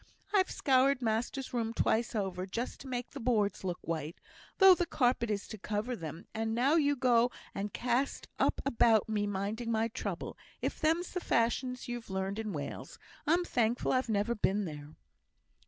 I've scoured master's room twice over, just to make the boards look white, though the carpet is to cover them, and now you go and cast up about me minding my trouble. If them's the fashions you've learnt in Wales, I'm thankful I've never been there."